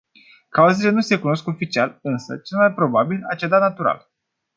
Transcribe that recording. Cauzele nu se cunosc oficial, însă, cel mai probabil, a cedat natural.